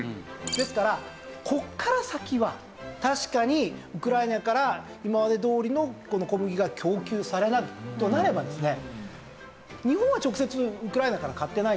ですからここから先は確かにウクライナから今までどおりのこの小麦が供給されないとなればですね。